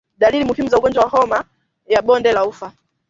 Dalili muhimu za ugonjwa wa homa ya bonde la ufa